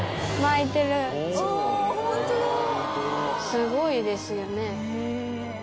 すごいですよね。